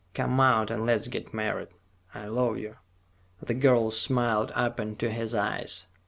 Come out and let's get married. I love you." The girl smiled up into his eyes.